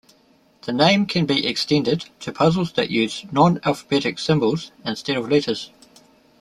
The name can be extended to puzzles that use non-alphabetic symbols instead of letters.